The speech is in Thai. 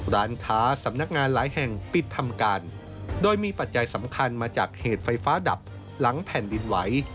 ร้านค้าสำนักงานหลายแห่งปิดทำการโดยมีปัจจัยสำคัญมาจากเหตุไฟฟ้าดับหลังแผ่นดินไหว